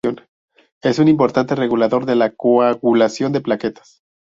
Es un importante regulador de la coagulación de plaquetas.